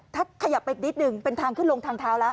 ถ้าขยับไปอีกนิดนึงเป็นทางขึ้นลงทางเท้าแล้ว